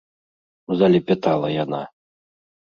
- залепятала яна.